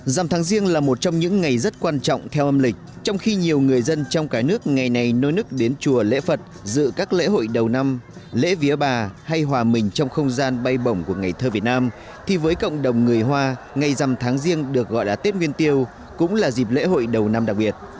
dằm tháng riêng là một trong những ngày rất quan trọng theo âm lịch trong khi nhiều người dân trong cả nước ngày này nôi nức đến chùa lễ phật dự các lễ hội đầu năm lễ vía bà hay hòa mình trong không gian bay bổng của ngày thơ việt nam thì với cộng đồng người hoa ngay rằm tháng riêng được gọi là tết nguyên tiêu cũng là dịp lễ hội đầu năm đặc biệt